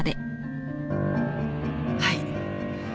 はい。